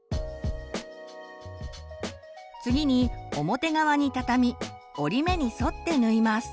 次に表側に畳み折り目に沿って縫います。